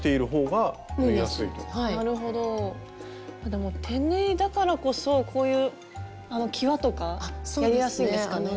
でも手縫いだからこそこういうきわとかやりやすいんですかね？